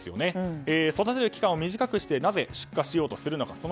育てる期間を短くしてなぜ出荷しようとするのか。